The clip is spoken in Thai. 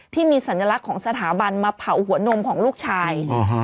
ที่มีสัญลักษณ์ของสถาบันมาเผาหัวนมของลูกชาย